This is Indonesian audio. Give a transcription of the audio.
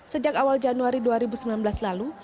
sejak awal januari dua ribu sembilan belas lalu